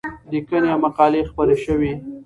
لیکنې او مقالې خپرې شوې.